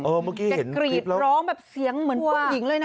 เออเมื่อกี้เห็นคลิปแล้วแกกรีดร้องแบบเสียงเหมือนผู้หญิงเลยนะ